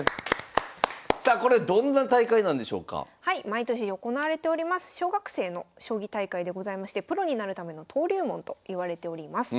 毎年行われております小学生の将棋大会でございましてプロになるための登竜門といわれております。